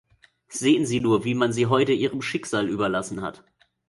Sehen Sie nur, wie man Sie heute Ihrem Schicksal überlassen hat.